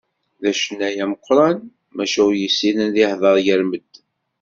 D acennay ameqqran, maca ur yessin ad yehder gar medden.